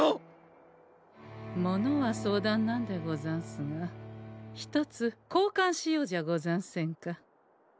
物は相談なんでござんすがひとつこうかんしようじゃござんせんか。